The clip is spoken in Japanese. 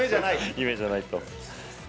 夢じゃないと。